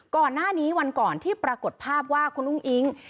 ก่อนหน้านี้วันก่อนที่ปรากฏภาพว่าคุณอุ้งอิ๊ง